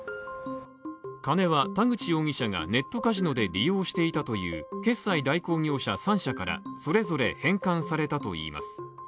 金は田口容疑者がネットカジノで利用していたという決済代行業者３社からそれぞれ返還されたといいます。